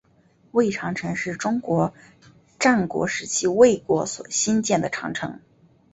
魏长城是中国战国时期魏国所兴建的长城。